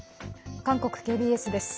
韓国ＫＢＳです。